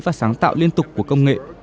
và sáng tạo liên tục của công nghệ